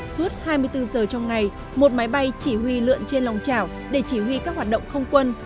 suốt hai mươi bốn giờ trong ngày một máy bay chỉ huy lượn trên lòng trảo để chỉ huy các hoạt động không quân